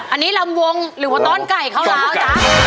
อันนี้ลำวงหรือว่าต้อนไก่เข้าร้าวจ๊ะ